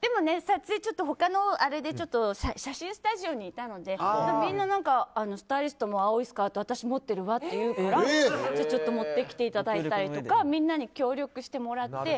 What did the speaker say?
他の撮影で写真スタジオにいたのでスタイリストも、青いスカート私、持ってるわっていうから持ってきていただいたりみんなに協力してもらって。